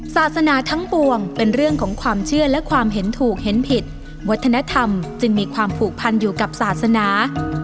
ศาสนาทั้งปวงเป็นเรื่องของความเชื่อและความเห็นถูกเห็นผิดวัฒนธรรมจึงมีความผูกพันอยู่กับศาสนา